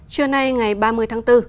trưa nay ngày ba mươi tháng bốn